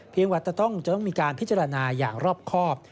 ว่าจะต้องมีการพิจารณาอย่างรอบครอบ